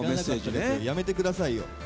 やめてくださいよ。